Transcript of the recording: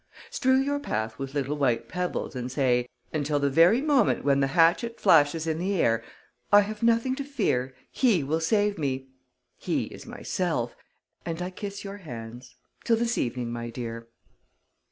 "Strew your path with little white pebbles and say, until the very moment when the hatchet flashes in the air, 'I have nothing to fear; he will save me.' He is myself ... and I kiss your hands. Till this evening, my dear."